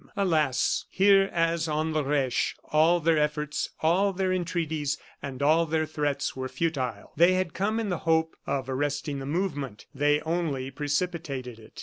Alas! here, as on the Reche, all their efforts, all their entreaties, and all their threats were futile. They had come in the hope of arresting the movement; they only precipitated it.